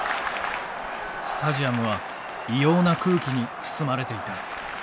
スタジアムは異様な空気に包まれていた。